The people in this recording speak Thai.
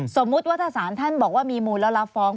สมมุติว่าถ้าสารท่านบอกว่ามีมูลแล้วรับฟ้อง